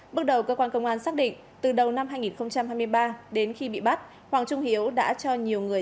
bước đầu cơ quan công an xác định từ đầu năm hai nghìn hai mươi ba đến khi bị bắt hoàng trung hiếu đã cho nhiều người